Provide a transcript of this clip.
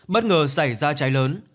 bất ngờ xảy ra cháy lớn